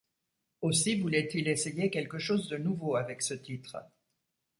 Aussi voulait-il essayer quelque chose de nouveau avec ce titre.